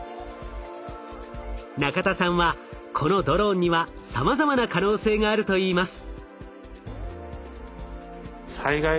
中田さんはこのドローンにはさまざまな可能性があるといいます。